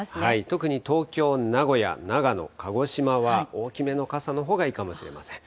特に東京、名古屋、長野、鹿児島は大きめの傘のほうがいいかもしれません。